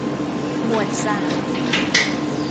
หมวดสาม